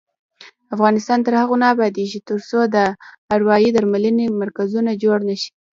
افغانستان تر هغو نه ابادیږي، ترڅو د اروايي درملنې مرکزونه جوړ نشي.